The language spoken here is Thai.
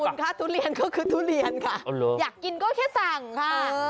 คุณคะทุเรียนก็คือทุเรียนค่ะอยากกินก็แค่สั่งค่ะ